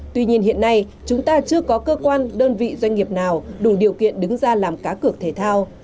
tuy nhiên hiện nay chúng ta chưa có cơ quan đơn vị doanh nghiệp nào đủ điều kiện đứng ra làm cá cược thể thao